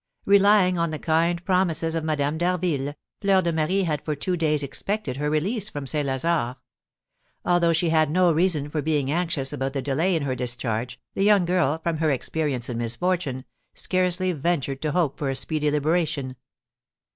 Relying on the kind promises of Madame d'Harville, Fleur de Marie had for two days expected her release from St. Lazare. Although she had no reason for being anxious about the delay in her discharge, the young girl, from her experience in misfortune, scarcely ventured to hope for a speedy liberation.